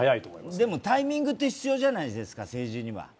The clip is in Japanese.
でもタイミングって必要じゃないですか、政治には。